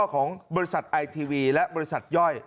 ของบริษัทไอทีวีและบริษัทย่อย